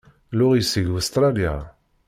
Laurie seg Ustṛalya.